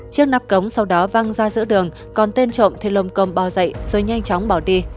chiếc nắp cống sau đó văng ra giữa đường còn tên trộm thì lồng cơm bao dậy rồi nhanh chóng bỏ đi